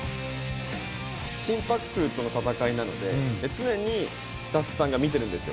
心拍数との戦いなので、常にスタッフさんが見てるんですよ。